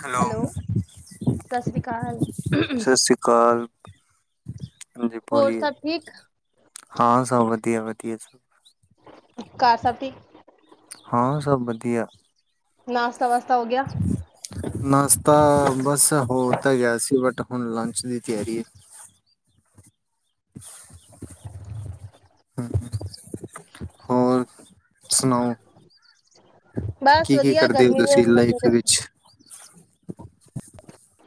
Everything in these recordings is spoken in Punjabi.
ਹੈਲੋ, ਸਤਿ ਸ੍ਰੀ ਅਕਾਲ ਸਤਿ ਸ਼੍ਰੀ ਅਕਾਲ। [inaudible] ਹਾਂਜੀ ਹੋਰ ਬੋਲੀਏ, ਸਭ ਠੀਕ ਹਾਂ ਸਭ ਵਧੀਆ-ਵਧ। [unintelligible] ਘਰ ਸਭ ਠੀਕ? ਹਾਂ ਸਭ ਵਧੀਆ। ਨਾਸ਼ਤਾ ਵਾਸ ਤਾ ਹੋ ਗਿਆ। ਤਾ ਬਸ ਤਾ ਹੋ ਤਾਂ ਗਿਆ ਸੀ ਬਟ ਹੁਨ ਲੰਚ ਦੀ ਤਿਆਰੀ ਏ। [inaudible] ਹੂੰ, ਹੂੰ, ਹੋਰ, ਸੁਨਾਓ। ਬਸ ਕੀ-ਕੀ ਵਧੀਆ ਕਰਦੇ ਹੋ ਗਰਮੀ ਦੇ ਤੁਸੀਂ ਲਾਈਫ ਦੇ ਮਜ਼ੇ ਵਿੱਚ?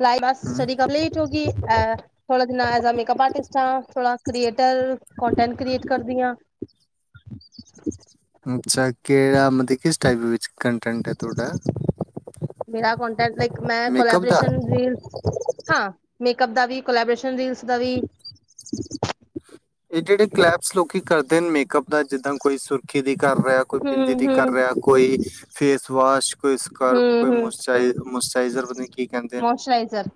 ਲਾਈ ਬਸ ਹਮ ਸਟੱਡੀ ਕੰਪਲੀਟ ਹੋਗੀ ਐਹ ਥੋੜ੍ਹਾ ਜਿਨ੍ਹਾਂ ਐਜ਼ ਆ ਮੇਕਅੱਪ ਆਰਟਿਸਟ ਆਂ, ਥੋੜਾ ਕ੍ਰੀਏਟਰ, ਕੋਟੈਂਟ ਕ੍ਰੀਏਟ ਕਰਦੀ ਆਂ। ਅੱਛਾ, ਕਿਹੜਾ ਮਤਲਬ ਕਿਸ ਟਾਈਪ ਦੇ ਵਿੱਚ ਕੰਨਟੈਂਟ ਹੈ ਤੁਹਾਡਾ? ਮੇਰਾ ਕੋਂਟੈਨਟ ਲਾਈਕ ਮੈਂ ਮੇਕਅਪ ਦਾ ਕੋਲੇਬੋਰੇਸ਼ਨ ਰੀਲ ਹਾਂ ਮ ਦਾ ਵੀ ਕੋਲੈਬੋੇਸ਼ਨ ਰੀਲਸ ਦਾ ਵੀ, [unintelligible] ਇਹ, ਇਹ ਕਲੈਬ ਲੋਕ ਕਰਦੇ ਨੇ ਮੇਕਅਪ ਜਿੱਦਾਂ ਕੋਈ ਸੁਰਖੀ ਦੀ ਕਰ ਰਿਹਾ ਕੋਈ ਬਿੰਦ ਹਮ ਦੀ ਕਰ ਹਮ ਰਿਹਾ ਕੋਈ ਫੇਸ ਵਿਸ਼ਵਾਸ। ਕੋਈ ਸਕਰਫ ਹਮ ਕੋਈ ਹਮ ਮਚਾਈ ਮਇਚਰਾਈਜ਼ਰ ਬਣੀ ਕੀ ਕਹਿੰਦੇਦਾਂ ਮੋਇਸਚਰਾਈਜ਼ਰ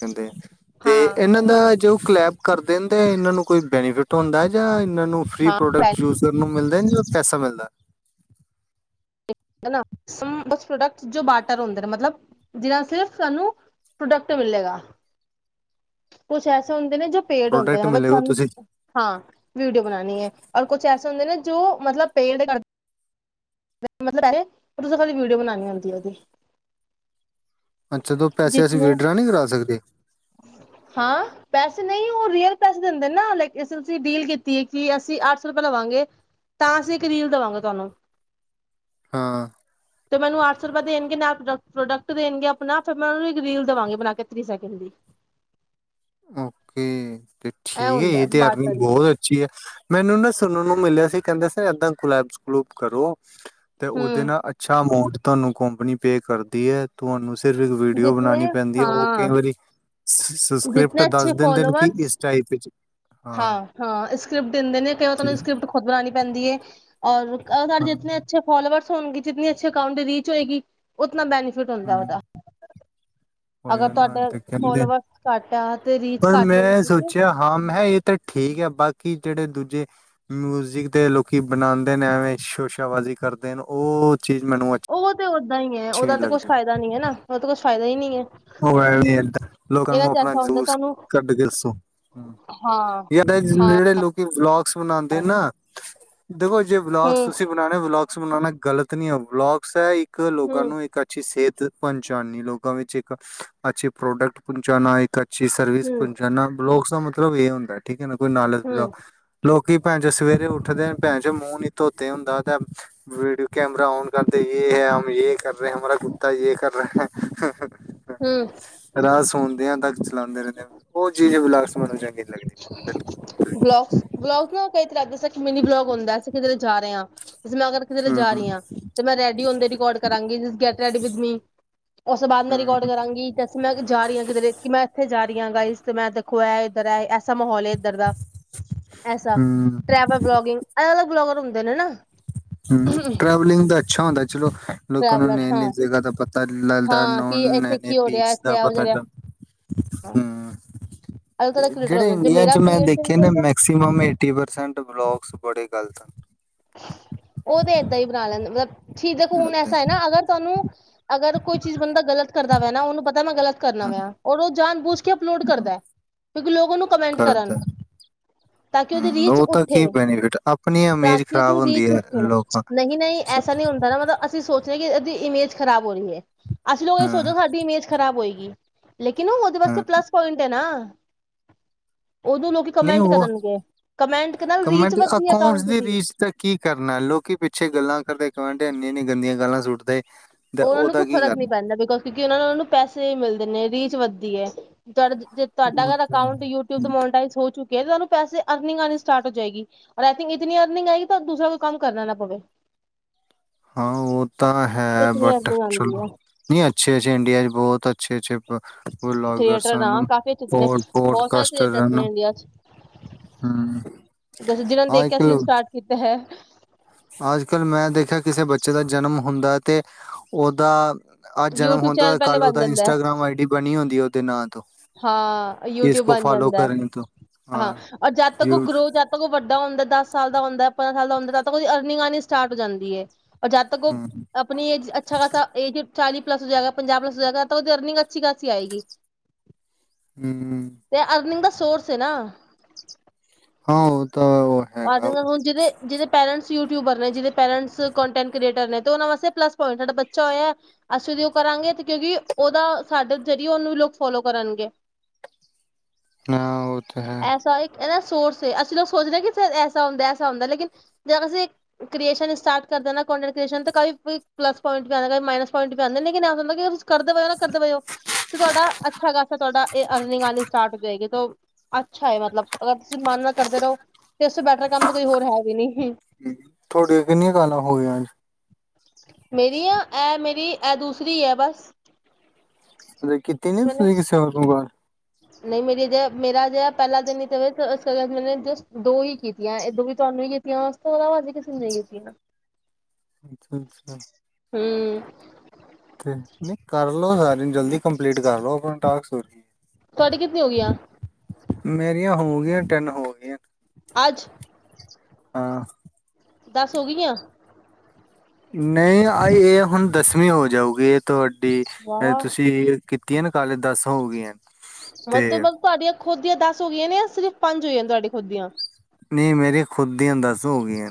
ਕਹਿੰਦੇ ਤੇ ਇਹਨਾਂ ਹਾਂ ਦਾ ਟੈਪ ਕਰਦੇ ਹਨ ਤੇ ਇਹਨਾਂ ਨੂੰ ਕੋਈ ਬੈਨੀਫਿਟ ਹੁੰਦਾ ਹੈ। ਜਾਂ ਮੈਨੂੰ ਫ੍ਰਰੀ ਹਾਂ ਪ੍ਰੋਡਕਟ ਯੂਜ ਕਰਨ ਨੂੰ ਮਿਲਦਾ ਲਦੀ ਪੈਸਾ ਮਿਲਦਾ- ਕਟ ਜੋ ਬਾਰਟਰ ਹੁੰਦੇ ਮਤਲਬ ਜਿਨਾ ਸਿਰਫ ਸਾਨੂੰ ਪ੍ਰੋਡਕਟ ਮਿਲੇਗਾ ਕੁਛ ਐਸਾ ਹੁੰ ਜੋ ਪੇਡ ਹੁੰਦੇ ਪ੍ਰੋਡਕਟ ਮਤਲਬ ਮਿਲੇਗਾ ਸਾਨੂੰ ਤੁਸੀਂ ਹਾਂ ਵੀਡੀਓ ਬਣਾਉਣੀ ਹੈ। ਔਰ ਕੁਛ ਐ ਹੁੰਦੇ ਨੇ ਜੋ ਮਤਲਬ ਪੇੜ ਕਰਦੇ ਮਤਲਬ ਹੈ ਤੁਸੀਂ ਖੀ ਵੀਡੀਓ ਬਣਾਉਣੀ ਆੁੰਦੀ ਉਹਦੀ। ਅੱਛਾ ਤਾਂ ਪੈਸੇ ਅਸੀਂ ਜਿਸਨੇ ਵਿਡ ਡ੍ਰ ਨਹੀਂੀ ਕਰਾ ਸਕਦੇ ਹਾਂ ਪੈਸੇ ਨਹੀਂ ਉਹ ਰੀਅਲ ਪੈਸੇ ਦਿੰਦੇ ਨਾ ਲ ਇਸ ਅਸੀਂ ਡੀਲ ਕੀਤੀ ਹੈ ਕਿ ਅਸੀਂ ਅੱਠ ਸੌ ਰੁਪਆ ਲਵਾਂਗੇ ਤਾਂ ਅਸੀਂ ਇੱਕ ਰੀਲ ਦੇਵਾਂਗੇ ਤੁਹਾਨੂੰ। ਹਾਂ। ਤੇ ਮੈਨੂੰ ਅੱਠ ਸੌ ਰੁਪਏ ਦੇਣਗੇ ਨਾਲੋ ਪ੍ਰੋਡਕਟ ਦੇਣਗੇ ਆਪਣਾ ਫਿਰ ਮੈਂ ਉਹਨੂੰ ਇੱਕ ਰੀਲ ਦੇਵਾਂਗੀ ਬਣਾ ਕੇ ਤੀਹ ਸੈਕਿੰਡ ਦੀ। ਓ ਤੇ ਠੀਕ ਹੈ ਹੁੰਦਾ ਇਹ ਤੇ ਅਰਨਿੰਗ ਬਾਰਦਾਰੀ ਬਹੁਤ ਅੱਛੀ ਹੈ ਮੈਨੂੰ ਨਾ ਸੁਣਨ ਨੂੰ ਮਿਲਿਆ ਸੀ ਕਹਿੰਦੇ ਸੀ ਨਾ ਇਏਦਾਂ ਗੁਲਾਬ ਗਲੂਬ ਕਰੋ ਤੇ ਉਹਦੇ ਹੂੰ ਨਾਲ ਅੱਛਾ ਅਮਾਡ ਤੁਹਾਨੂੰ ਕੰਪਨੀ ਪੇ ਕਰਦੀ ਹੈ ਤੁਹਾਨੂੰ ਸਿਰ ਇੱਕ ਵੀਡੀਓ ਬਣਾਉਣੀ ਜਿਤਨੇ ਪੈਂਦੀ ਹੈ। ਉਹ ਹਾਂ ਕਈ ਵਾਰੀ ਸਕ੍ਰਿਪਟ ਜਿਤਨੇ ਦੱਸ ਦਿੰਦੇ ਨੇ ਕਿ ਇਸ ਟਾਈਪ ਵਿੱਚ ਹਾਂ, ਹਾਂ ਸਕ੍ਰਿਪਟ ਦਿੰਦੇ ਨੇ ਕਈ ਤੇ ਤੁਹਾਨੂੰ ਸਕ੍ਰਿਪਟ ਖੁਦ ਬਣਾਣੀ ਪੈਂਦੀ ਹੈ ਔਰ। ਅ ਸਰ ਹਾਂ ਜੇ ਅੱਛੇ ਫੋਲੋਵਰ ਹੋਣਗੇ ਜਿੰਨੀ ਅੱਛੇ ਅਕਾਊਂਟ ਰੀਚ ਹੋਏਗੀ। ਕਿਤਨਾ ਬੈਨੀਫਿਟ ਹੁੰਦਾ ਹਮ ਉਹਦਾ ਅਗਰ ਹੋਇਆ ਨਾ ਤੁਹਾਡਾ ਤੇ ਕਹਿੰਦੇ ਫੋਲੋਵਰਸ ਘੱਟ ਆ ਤੇ ਰੀਚ ਪਰ ਘੱਟ ਮੈਂ ਹੋਏਗੀ ਤੇ ਸੋਚਿਆ ਹਾਂ ਮੈਂ ਕਿਹਾ ਇਹ ਤਾਂ ਠੀਕ ਹੈ ਬਾਕੀ ਜਿਹੜੇ ਦੂਜੇ ਮਿਊਜਿਕ ਦੇ ਲੋਕੀ ਬਣਾਉਂਦੇ ਨੇ ਐਵੇਂ ਸ਼ੋਸ਼ਾਾਬਾਜ਼ੀ ਕਰਦੇ ਨੇ ਉਹ ਚੀਜ਼ ਮੈਨੂੰ ਉਹ ਤੇ ਓਦਾਂ ਹੀ ਹੈ, ਅੱਛੀ ਨਹੀਂ ਉਹਦਾ ਤਾਂ ਕੁਛ ਲੱਗਦੀ ਫਾਇਦਾ ਨੀ ਹੈ ਨਾ ਉਹ ਤਾਂ ਕੁਛ ਫਾਇਦਾ ਹੀ ਨਹੀਂ। ਹੈ ਉਹ ਇਦ ਲੋਕਾਂ ਇਹਨਾਂ ਨੂੰ ਚ ਆਪਣਾ ਐਸਾ ਹੁੰਦਾ ਜੂਸ ਤੁਹਾਨੂੰ ਕੱਢ ਕੇ ਦੱਸੋ, ਹੂੰ ਹਾਂ-ਹਾਂ ਜਿਹੜੇ ਲੋਕੀ ਵਲੋਗਸ ਬਨਾਉਦੇ ਨਾ। ਦੇਖੋ, ਜੇ ਬਲੋਗ ਤੁਸੀਂ ਬਣਾਉਣੇ ਬਲੋਗ। ਬਨਾਉਣਾ ਗਲਤ ਨੀ ਹੈ, ਉਹ ਬਲੋਕਸ ਹੈ ਇੱਕ ਇੱਕ ਲੋਕਾਂ ਨੂੰ ਇੱਕ ਅੱਛੀ ਸਿਹਤ ਪਹਚਾਣਨੀ ਲੋਗੀ। ਕਮੀ ਚ, ਅੱਛੇ ਪ੍ਰੋਡੇਕਟ ਪਹੁੰਚਾਨਾ ਇੱਕ ਅੱਛਾ ਅੱਛੀ ਸਰਵਿਸ ਹੂੰ-ਹੂੰ-ਹੂੰ-ਹੂੰ-ਹੂੰ ਪਹੁੰਚਾਨਾ ਬਲੋਕ, ਮਤਲਬ ਇਹ ਹੁੰਦਾ ਠੀਕ ਹੈ ਨਾ ਕੋਈ ਨਾਲ ਜਾਓ ਲੋਕੀ ਭੈਣ ਚ ਸਵੇਰੇ ਉੱਠਦੇ ਭੈਣ ਚ ਮੂੰਹ ਨੀ ਧੋਤੇ ਹੁੰਦਾ ਤੇ ਵੀਡੀਓ ਕੈਮਰਾ ਔਨ ਕਰਦੇ ਹੈ ਯੇ ਕਰ ਰਹੇ ਹਮਾਰਾ ਕੁੱਤਾ ਯੇ ਕਰ ਰਿਹਾ। ਰਾਹ ਸੁਣਦੇ ਹਾਂ ਤਾਂ ਚਲਾਦੇ ਰਹਿੰਦੇ ਉਹ ਚੀਜ਼ ਬਸ ਮੈਨੂੰ ਚੰਗੀ ਲੱਗਦੀ। ਬਲੋਕਸ ਬਲੋਗਸ ਨਾ [unintelligible] ਮਿਨੀ ਬਲੋਗ ਹੁੰਦਾ ਸੀ ਕਿਤੇ ਜਾ ਰਿਹਾ। ਜ ਮੈਂ ਅਰ ਕਿ ਜਾ ਰਹੀ ਹਾਂ ਤੇ ਮੈਂ ਰੈਡੀਓ ਰਿਕਾਰਡ ਕਰਾਂਗੀ, ਜਿਸ ਗੈਟ ਰੈਡੀ ਵਿਦ ਮੀ ਉਸ ਤੋਂ ਬਾਅਦ ਮੈਂ ਰਿਕਾਰਡ ਕਰਾਂਗੀ ਮੈਂ ਜਾ ਰਹੀ ਹਾਂ ਕਿ ਮੈਂ ਇੱਥੇ ਜਾ ਰਹੀਆਂ ਗਾਈਸ ਇਸ ਤੇ ਮੈਂ ਦੇਖੋ ਹੈ, ਇੱਧਰ ਹੈ ਐਸਾ ਮਾਹੌਲ ਐ। ਇਧਰ ਦਾ ਐਸਾ ਟੈਵਲ ਬਲੋਗਿੰਗ ਅਲੱਗ ਅਲੱਗ ਬਲੋਗਰ ਹੁੰ ਹੁੰਦੇ ਨੇ ਨਾ, ਹੂੰ, ਟਰੈਵਲਿੰਗ ਦਾ ਅੱਛਾ ਹੁੰਦਾ ਚਲੋ। ਲੋਕਾਂ ਨੂੰ ਟਰੈਵਲਰ ਨ ਹਾਂ ਨ ਜਗ੍ਹਾ ਦਾ ਪਤਾ ਲਗਦਾ ਨ ਹਾਂ ਕਿ ਨ ਇੱਥੇ ਨ ਬੀਚ ਦਾ ਪਤਾ ਹਾਂ, ਹੂੰ ਜਿਹੜੇ ਇੰਡੀਆ ਚ ਮੈਂ ਦੇਖੇ ਨਾ ਚੱਲਦਾ ਮੈਕਸੀਮ ਏਟੀ ਪਰਸੈਂਟ ਬਲੋਗਸ ਬੜੀ ਗੱਲ ਤਾ, ਉਹ ਤੇ ਏਦਾਂ ਹੀ ਬਣਾ ਲੈਂਦਾ ਮਤਲਬ। ਠੀਕ ਦੇਖੋ ਹਨ। ਹੁਣ ਏਦਾਂ ਐਸਾ ਹੈ, ਈ, ਨਾ ਅਗਰ ਤੁਹਾਨੂੰ ਅਗਰ ਕੋਈ ਚੀਜ਼ ਬੰਦਾ ਗਲਤ ਕਰਦਾ ਵੈ ਨਾ ਉਹਨੂੰ ਪਤਾ ਮੈਂ ਗਲਤ ਕਰਨਾ ਹਾਂ ਪਿਆ ਉਹਨੂੰ, ਜਾਣ ਬੂਝ ਕੇ ਅਪਲੋਡ ਹਾਂ ਕਰਦਾ। ਕਿ ਲੋਕ ਉਹਨੂੰ ਕਮੈਂਟ ਕਰਨ ਕਰਦਾ ਤਾਂ ਕਿ ਉਹਦੀ ਹੂੰ ਉਹ ਤਾਂ ਕੀ ਬੈਨੀਫਿਟ ਆਪਣੀ ਅਮੀਰੀ ਕਿ ਉਹਦੀ ਰੀਝ ਉੱਠੇ ਨਾ ਨਹੀਂ ਐਸਾ ਨਹੀਂ ਹੁੰਦਾ ਨਾ ਮਤਲਬ ਅਸੀਂ ਸੋਚਾਂ ਇਹ ਇਮੇਜ ਖਰਾਬ ਹੋ ਰਹੀ ਏ, ਅਸੀਂ ਲੋਕ ਇਹ ਹਾਂ, ਸੋਚੋ ਸਾਡੀ ਇਮੇਜ ਖਰਾਬ ਹੋਏਗੀ। ਕੀ। ਲੇਕਿਨ ਉਹਦੇ ਵਾਸਤੇ ਹਾਂ ਪਲੱਸ ਪੁਆਇੰਟ ਹੈ ਨਾ। ਉਦੋਂ ਲੋਕ ਨਹੀਂ ਕਮੈਂਟ ਉਹ ਕਰਨ ਗੇ ਕਮੈਂਟ ਨਾਲ ਰੀਚ ਵੱਧਦੀ ਹੈ ਅਕਾਊਂਟ ਦੀ। ਤਾਂ ਕੀ ਕਰਨਾ ਲੋਕੀ ਪਿੱਛੇ ਗੱਲਾਂ ਕਰਦੇ, ਕਮੈਂਟ ਇੰਨੀ-ਇੰਨੀ ਗੰਦੀਆਂ ਗੱਲਾਂ ਸੁੱਟਦੇ। ਤੇ ਉਹਨਾਂ ਨੂੰ ਉਹਦਾ ਕੋਈ ਕੀ ਫ਼ਰਕ ਨਹੀਂ ਕਰਨਾ ਪੈਂਦਾ ਬਿਕੋਜ ਕਿਉਂਕਿ ਉਹ ਨੂੰ ਉਹਨਾਂ ਨੂੰ ਪੈਸੇ ਮਿਲਦੇ ਨੇ ਰੀਚ ਵਧ ਧੀ ਏ ਤੁਹਾਡਾ ਜੇ ਉਹ ਤੁਹਾਡਾ ਤਾਂ ਅਕਾਊਟ ਯੂਟਿਬ ਹੂੰ ਮੋਰਟਾਜ਼ ਹੋ ਚੁਕ ਕਿ ਤੁਹਾਨੂੰ ਪੈਸੇ ਅਰਨਿੰਗ ਆਣੀ ਸਟਾਰਟ ਹੋ ਜਾਏਗੀ ਔਰ ਐਸ਼ੀ ਇਤਨੀ ਅਰਨਿੰਗ ਆਏਗੀ ਦੂਸਰਾ ਕੋਈ ਕੰਮ ਕਰਨਾ ਨਾ ਪਵੇ ਹਾਂ ਉਹ ਤਾਂ ਹੈ ਇਤਨੀ ਬਟ ਅਰਨਿੰਗ ਆਉਂਦੀ ਚਲੋ ਹੈ। ਨੀ ਅੱਛੇ-ਅੱਛੇ ਇੰਡੀਆ ਚ ਬਹੁਤ ਛੇ-ਛੇ ਪ ਥੀਏਟਰ ਆ ਕਾਫੀ ਅੱਛੇ- ਅੱਛੇ ਨੇ ਪੋਡ ਬਹੁਤ ਸਾਰੇ ਪੋਡਕਾਸਟਰ ਥੀਏਟਰ ਹਨ ਨੇ ਇੰਡੀਆ ਚ ਹੂੰ ਜਿਹਨਾਂ ਨੇ ਦੇਖਿਆ ਅਸੀਂ ਸਟਾਰਟ ਕੀਤਾ ਹੈ। ਅੱਜ ਕੱਲ ਮੈਂ ਦੇਖਿਆ ਕਿਸੇ ਬੱਚੇ ਦਾ ਜਨਮ ਹੁੰਦਾ ਹੈ, ਤੇ ਉਹਦਾ ਅਹ ਜਨਮ ਯੂਟਿਊਬ ਹੁੰਦਾ ਚੈਨਲ ਪਹਿਲੇ ਕੱਲ ਬਣ ਉਹਦਾ ਜਾਂਦਾ ਹੈ ਇੰਸਟਾਗ੍ਰਾਮ ਆਈ ਡੀ ਬਣੀ ਹੁੰਦੀ, ਉਹਦੇ ਨਾਂ ਤੋਂ ਹਾਂ ਇਸ ਯੂਟਿਊਬ ਕੋ ਬਣ ਫਾਲੋ ਜਾਂਦਾ ਏ ਕਰਨ ਤੋਂ ਹਾਂ ਔਰ ਜਦ ਤੱਕ ਉਹ ਯੂ ਗਰੋ ਜਦ ਤੱਕ ਉਹ ਵੱਡਾ ਹੁੰਦਾ ਦਸ ਸਾਲ ਦਾ ਹੁੰਦਾ ਪੰਦਰਾਂ ਸਾਲ ਦਾ ਹੁੰਦਾ ਤੱਦ ਤੱਕ ਉਦੀ ਅਰਨਿੰਗ ਆਣੀ ਸਟਾਰਟ ਹੋ ਜਾਂਦੀ ਏ। ਔਰ ਜਦ ਤੱਕ ਉਹ ਹੂੰ ਆਪਣੀ ਏਜ ਚ ਅੱਛਾ ਖਾਸਾ ਏਜ ਚਾਲੀ ਪਲੱਸ ਹੋ ਜਾਏਗਾ, ਪੰਜਾਹ ਪਲੱਸ ਹੋ ਜਾਏਗਾ ਤਾਂ ਉਹਦੀ ਅਰਨਿੰਗ ਅੱਛੀ ਖਾਸੀ ਆਏਗੀ। ਹੂੰ-ਹੂੰ। ਤੇ ਅਰਨਿੰਗ ਦਾ ਸੋਰਸ ਏ ਨਾ ਹਾਂ ਓ ਆ ਦੇ ਹੁਣ ਜਿਹਦੇ-ਜਿਹਦੇ ਪੇਰੈਂਟਸ ਯੂਟਿਊਬਰ ਨੇ ਜਿਹਦੇ ਪੇਰੈਂਟਸ ਕੋਂਟੈਟ ਕ੍ਰੀਏਟਰ ਨੇ ਅਤੇ ਉਹਨਾਂ ਵਾਸਤੇ ਪਲੱਸ ਪੁਆਇੰਟ ਸਾਡਾ ਬੱਚਾ ਹੋਇਆ। ਅਸੀਂ ਉਹਦੀ ਉਹ ਕਰਾਂਗੇ ਅਤੇ ਕਿਉਂਕਿ ਉਹਦਾ ਸਾਡੇ ਜ਼ਰੀਏ ਉਹਨੂੰ ਵੀ ਲੋਕ ਫੋਲੋ ਕਰਨਗੇ। ਹਾਂ ਉਹ ਤਾਂ ਹੈ। ਇਦਾ ਸੋਰਸ ਏ ਅਸੀਂ ਲੋਕ ਸੋਚਦੇ ਹਾਂ। ਐਸਾ ਹੁੰਦਾ ਐਸਾ ਹੁੰਦਾ ਲੇਕਿਨ ਜੇ ਅਸੀਂ ਕ੍ਰੀਏਸ਼ਨ ਸਟਾਰਟ ਕਰੋਂਟਟ੍ਰਸ਼ਨ ਕ ਪਲੱਸ ਪੁਆਇੰਟ ਵੀ ਆਂਦਾ, ਮਾਈਨਸਆਇੰਟ ਵੀ ਆਂਦਾ ਹੁੰਦਾ ਕਰਦੇ ਪਏ ਨਾ ਕਰਦੇ ਪਏਓ ਤੇ ਤੁਹਾਡਾ ਅੱਛਾ ਖਾਸਾ ਤੁਹਾਡਾ ਏ ਅਰਨਿੰਗ ਆਉਣੀ ਸਟਾਰਟ ਹੋ ਜਾਏਗੀ ਤੋ ਅੱਛਾ ਹੈ ਮਤਲਬ ਅਗਰ ਤੁਸੀਂ ਮਨ ਨਾਲ ਕਰਦੇ ਰਹੋ ਤੇ ਇਸ ਬੈਟਰ ਕੰਮ ਤਾਂ ਕੋਈ ਹੋਰ ਹੈ ਵੀ ਨੀ ਤੁਹਾਡੀਆਂ ਕਿੰਨੀਆਂ ਕਾਲਾਂ ਹੋ ਗਈਆਂ ਅੱਜ ਮੇਰੀ ਆ ਇਹ ਮੇਰੀ ਇਹ ਦੂਸਰੀ ਐ ਬਸ [unintelligible] ਕੀਤੀ ਨੀ ਮੈਨੇ ਤੁਸੀਂ ਕਿਸੇ ਹੋਰ ਨੂੰ ਕਾਲ ਨਹੀਂ ਮੇਰੀ ਜ ਮੇਰਾ ਜਿਹਾ ਪਹਿਲਾ ਦਿਨ ਹੀ [unintelligible] ਜਸਟ ਦੋ ਹੀ ਕੀਤੀਆਂ ਇਹ ਦੋ ਹੀ ਤੁਹਾਨੂੰ ਹੀ ਕੀਤੀਆਂ ਉਸ ਤੋਂ ਇਲਾਵਾ ਅਜੇ ਕਿਸੇ ਨੂੰ ਨੀ ਕੀਤੀਆਂ ਅੱਛਾ-ਅੱਛਾ ਹੂੰ ਤੇ ਨਹੀਂ ਕਰਲੋ ਸਾਰੀਆਂ ਨੂੰ ਜਲਦੀ ਕੰਪਲੀਟ ਕਰ ਲੋ ਆਪਣਾ ਟਾਸਕ ਤੁਹਾਡੀ ਕਿਤਨੀ ਹੋ ਗਈਆਂ ਮੇਰੀਆਂ ਹੋ ਗਈਆਂ ਤਿੰਨ ਹੋ ਗਈਆਂ ਅੱਜ ਹਾਂ ਦੱਸ ਹੋ ਗਈਆਂ? ਨਹੀਂ ਆਈ ਏ ਹੁਣ ਦਸਵੀਂ ਹੋ ਜਾਊਗੀ ਏ ਤੁਹਾਡੀ ਡੀ ਅ ਵਾਹ ਤੁਸੀਂ ਕੀਤੀਆਂ ਨੇ ਕਾਲ ਦਸ ਹੋ ਗਈਆਂ ਮਤਲਬ ਤੇ ਮਗ ਤੁਹਾਡੀਆਂ ਖੁਦ ਦੀਆਂ ਦੱਸ ਹੋ ਗਈਆਂ ਨੇ ਸਿਰਫ਼ ਪੰਜ ਹੋਈਆਂ ਤੁਹਾਡੇ ਖੁਦ ਦੀਆਂ ਨਹੀਂ ਮੇਰੀਆਂ ਖੁਦ ਦੀਆਂ ਦਸ ਹੋ ਗਈਆਂ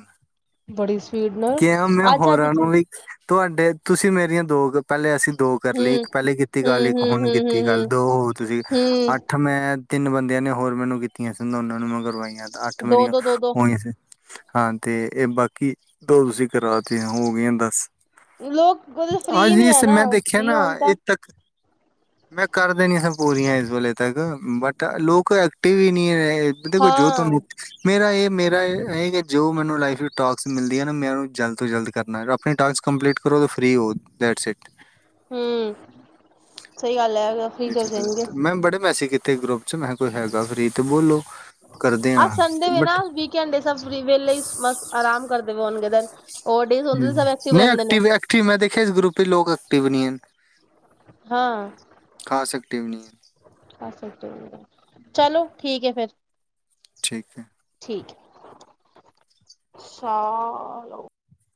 ਬੜੀ ਸ ਕਿਹਾ ਮੈਂ ਹੋਰਾਂ ਨੂੰ ਵੀ ਤੁਹਾਡੇ ਤੁਸੀਂ ਮੇਰੀਆਂ ਦੋ ਕ ਪਹਿਲੇ ਅਸੀਂ ਦੋ ਕਰ ਲਈ ਹੂੰ ਇੱਕ ਪਹਿਲੇ ਕੀਤੀ ਹੂੰ ਗੱਲ ਇੱਕ ਹੂੰ ਹੁਣ ਹੂੰ ਹੂੰ ਕੀਤੀ ਗੱਲ ਹੂੰ ਦੋ ਹੋ ਤੁਸੀਂ ਹੂੰ ਅੱਠ ਮੈਂ ਤਿੰਨ ਬੰਦਿਆਂ ਨੇ ਹੋਰ ਮੈਨੂੰ ਕੀਤੀਆਂ ਸੀ ਉਨਾਂ ਉਨਾਂ ਨੂੰ ਮੈਂ ਕਰਵਾਈਆਂ ਐ ਤਾਂ ਅੱਠ ਦੋ ਮੇਰੀਆਂ ਦੋ ਦੋ ਦੋ ਹੋਈਆਂ ਸੀ ਹਾਂ ਤੇ ਇਹ ਬਾਕੀ ਦੋ ਤੁਸੀਂ ਕਰਾ ਤੀਆਂ ਹੋ ਗਈਆਂ ਦੱਸ। ਲੋਕ [unintelligible] ਫ੍ਰਰੀ ਨੀ ਹੈ ਨਾ ਦੇਖਿਆ ਫ੍ਰਰੀ ਨਾ ਹੋਣ ਤਾਂ ਇਹ ਤੱਕ ਮੈਂ ਕਰ ਦੇਣੀਆ ਸੀ ਪੂਰੀਆਂ ਇਸ ਵੇਲੇ ਤੱਕ ਬਟ ਲੋਕ ਐਕਟਿਵ ਹੀ ਨਹੀਂ ਹੈ ਦੇਖੋ ਜੋ ਹਾਂ ਤੁਹਾਨੂੰ ਮੇਰਾ ਇਹ ਮੇਰਾ ਇਹ ਕਿ ਜੋ ਮੈਨੂੰ ਲਾਈਫ ਵਿੱਚ ਟੋਕਸ ਮਿਲ ਦੇ ਆ ਨਾ ਮੈਂ ਉਹਨੂੰ ਜਲਦ ਤੋਂ ਜਲਦ ਕਰਨਾ ਗਾ ਆਪਣੀ ਟਾਸਕ ਕੰਪਲੀਟ ਕਰੋ ਰੇ ਫ੍ਰਰੀ ਹੋ ਦੇਟਸ ਇਟ ਤੇ ਹੂੰ ਸਹੀ ਗੱਲ ਹੈ ਫ੍ਰੀ ਤੇ ਹੋ ਜਾਏਗੇ [unintelligible] ਮੈਂ ਬੜੇ ਪੈਸੇ ਕੀਤੇ ਤੇ ਗਰੁੱਪ ਚ ਮੈਂ ਕੋਈ ਹੈਗਾ ਫ੍ਰਰੀ ਤੇ ਬੋਲੋ ਕਰਦੇ ਆ ਹਾਂ ਸੰਡੇ ਦੇ ਨਾ ਬਟ ਵੀਕੇਂਡ ਸਭ ਫਰੀ ਵਹਲੇ ਸ ਆਰਾਮ ਕਰਦੇ ਵ ਹੋਣਗੇ ਹੋਰ ਡੇਜ਼ ਹੁੰਦੇ ਤੇ ਸਭ ਨਹੀਂ ਰਹਿੰਦੇ ਨੇ ਐਕਟਿਵ ਐਕਟਿਵ ਮੈਂ ਦੇਖਿਆ ਇਸ ਗਰੁੱਪ ਲੋਕ ਐਕਟਿਵ ਨੀ ਹਾਂ ਟਾਈਮ ਨਹੀਂ ਹੈ। ਕਰ ਸਕਦੇ ਹੋ ਚਲੋ ਠੀਕ ਹੈ ਫੇਰ ਠੀਕ ਹੈ। ਠੀਕ ਹੈ ਸਾ